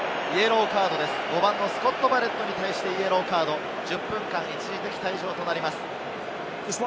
５番のスコット・バレットに対してイエローカード、１０分間の一時的退場となります。